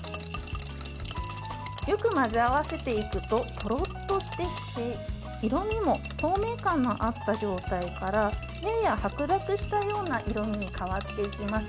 よく混ぜ合わせていくととろっとしてきて色味も透明感のあった状態からやや白濁したような色味に変わっていきます。